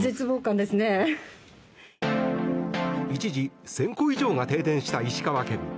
一時、１０００戸以上が停電した石川県。